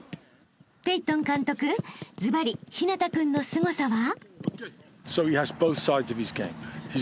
［ペイトン監督ずばり陽楽君のすごさは？］